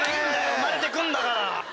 生まれて来んだから！